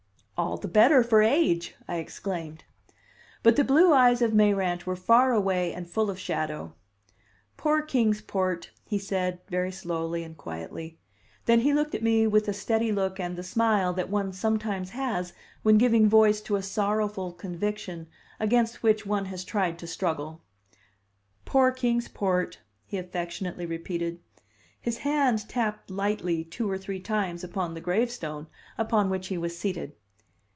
"All the better for age," I exclaimed. But the blue eyes of Mayrant were far away and full of shadow. "Poor Kings Port," he said very slowly and quietly. Then he looked at me with the steady look and the smile that one sometimes has when giving voice to a sorrowful conviction against which one has tried to struggle. "Poor Kings Port," he affectionately repeated. His hand tapped lightly two or three times upon the gravestone upon which he was seated.